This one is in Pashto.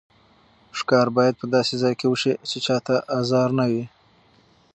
ښکار باید په داسې ځای کې وشي چې چا ته ازار نه وي.